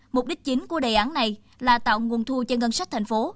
mục đích chính của đề án này là tạo nguồn thu cho ngân sách tp hcm